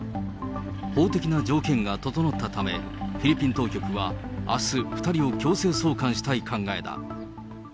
法的な条件が整ったため、フィリピン当局はあす、２人を強制送還したい考えだ。